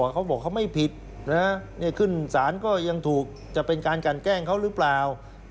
เขาบอกเขาไม่ผิดขึ้นสารก็ยังถูกจะเป็นการกันแกล้งเขาหรือเปล่า